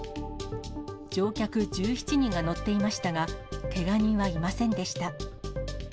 乗客１７人が乗っていましたが、けが人はいませんでした。